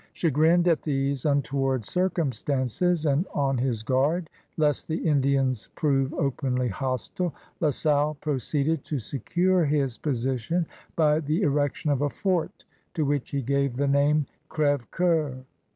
Cha grinned at these imtoward circumstances and on his guard lest the Indians prove openly hostile. La Salle proceeded to secure his position by the erection of a fort to which he gave the name Crfevecoeur.